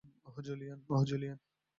ওহ, Julian.